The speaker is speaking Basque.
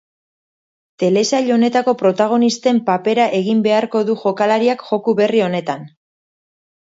Telesail honetako protagonisten papera egin beharko du jokalariak joku berri honetan.